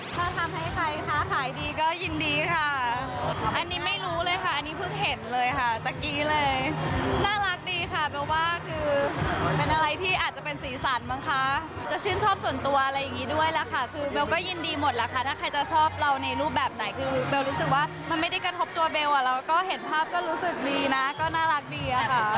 ถ้าทำให้ใครคะขายดีก็ยินดีค่ะอันนี้ไม่รู้เลยค่ะอันนี้เพิ่งเห็นเลยค่ะตะกี้เลยน่ารักดีค่ะเบลว่าคือเป็นอะไรที่อาจจะเป็นสีสันมั้งคะจะชื่นชอบส่วนตัวอะไรอย่างนี้ด้วยแหละค่ะคือเบลก็ยินดีหมดแล้วค่ะถ้าใครจะชอบเราในรูปแบบไหนคือเบลรู้สึกว่ามันไม่ได้กระทบตัวเบลอ่ะเราก็เห็นภาพก็รู้สึกดีนะก็น่ารักดีอะค่ะ